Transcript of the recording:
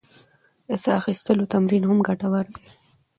د ساه اخیستلو تمرین هم ګټور دی.